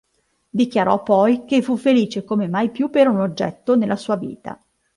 Dichiarò poi che fu felice come mai più per un oggetto, nella sua vita.